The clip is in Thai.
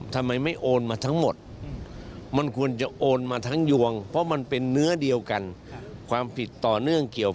ทำไมโอนมาแค่ส่วนเดียว